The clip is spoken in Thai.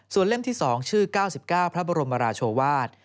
เล่มที่๒ชื่อ๙๙พระบรมราชวาส